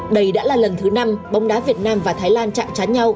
đây đã là lần thứ năm bóng đá việt nam và thái lan chạm chán nhau